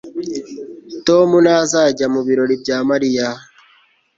Tom ntazajya mu birori bya Mariya